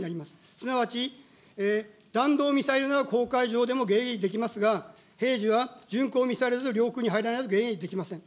すなわち、弾道ミサイルなら公海上でも迎撃できますが、平時は巡航ミサイルなど、領空に入らないと迎撃できません。